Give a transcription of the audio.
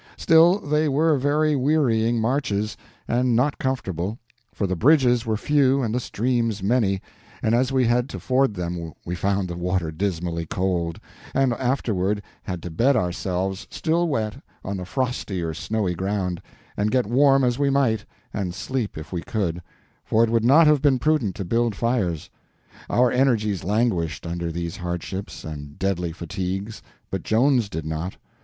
Still, they were very wearying marches, and not comfortable, for the bridges were few and the streams many, and as we had to ford them we found the water dismally cold, and afterward had to bed ourselves, still wet, on the frosty or snowy ground, and get warm as we might and sleep if we could, for it would not have been prudent to build fires. Our energies languished under these hardships and deadly fatigues, but Joan's did not.